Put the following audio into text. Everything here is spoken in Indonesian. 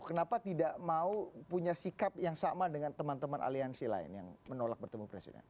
kenapa tidak mau punya sikap yang sama dengan teman teman aliansi lain yang menolak bertemu presiden